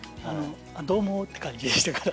どうもって感じでしたから。